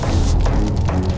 gak mau kali